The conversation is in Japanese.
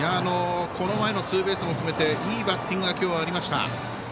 この前のツーベースも含めていいバッティングが今日はありました。